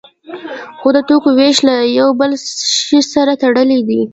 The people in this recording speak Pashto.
خو د توکو ویش له یو بل شی سره تړلی دی.